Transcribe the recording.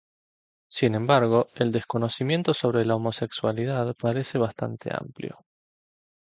Sin embargo el desconocimiento sobre la homosexualidad parece bastante amplio.